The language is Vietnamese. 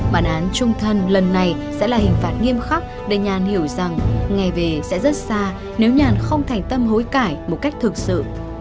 bản án trung thân lần này sẽ là hình phạt nghiêm khắc để nhàn hiểu rằng ngày về sẽ rất xa nếu nhàn không thành tâm hối cãi một cách thực sự